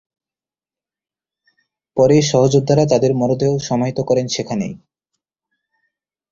পরে সহযোদ্ধারা তাঁদের মরদেহ সমাহিত করেন সেখানেই।